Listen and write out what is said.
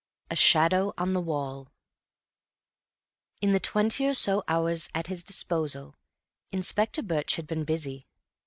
A Shadow on the Wall In the twenty hours or so at his disposal Inspector Birch had been busy.